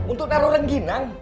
untuk taro rengginang